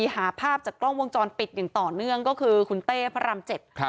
หาภาพจากกล้องวงจรปิดอย่างต่อเนื่องก็คือคุณเต้พระราม๗